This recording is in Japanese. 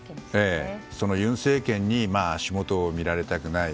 その尹政権に足元を見られたくない。